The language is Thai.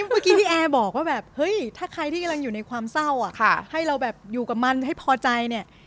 เมื่อกี้แอบอกว่าแบบถ้าใครที่อยู่ในความเศร้าอะให้เราอยู่กับมันให้พอใจเนี่ย